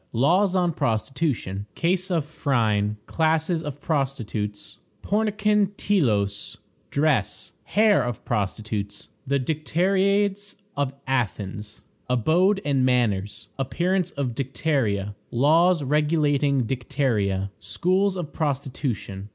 Laws on Prostitution. Case of Phryne. Classes of Prostitutes. Pornikon Telos. Dress. Hair of Prostitutes. The Dicteriades of Athens. Abode and Manners. Appearance of Dicteria. Laws regulating Dicteria. Schools of Prostitution.